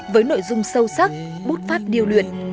với nội dung sâu sắc bút phát điều luyện